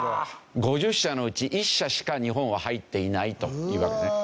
５０社のうち１社しか日本は入っていないというわけね。